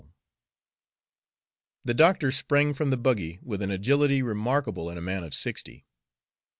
The doctor sprang from the buggy with an agility remarkable in a man of sixty.